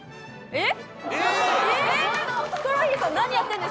えっ？